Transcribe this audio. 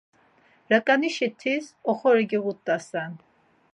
Raǩanişi tis oxori giğut̆asen.